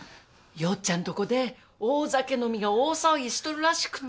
よっちゃんとこで大酒飲みが大騒ぎしとるらしくて。